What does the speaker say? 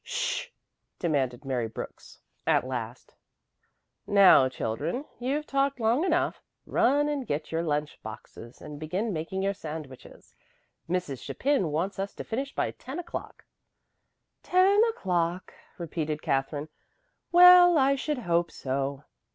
"Sh sh," demanded Mary Brooks at last. "Now children, you've talked long enough. Run and get your lunch boxes and begin making your sandwiches. Mrs. Chapin wants us to finish by ten o'clock." "Ten o'clock!" repeated Katherine. "Well, I should hope so.